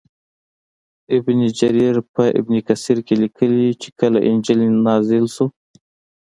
ابن جریر په ابن کثیر کې لیکلي چې کله انجیل نازل شو.